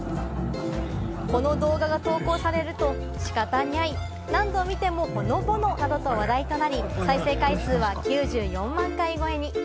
この動画が投稿されると、仕方ニャイ、何度見てもほのぼのなどと話題となり、再生回数は９４万回超えに。